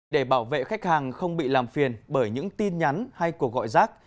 để bảo vệ khách hàng không bị làm phiền bởi những tin nhắn hay cuộc gọi rác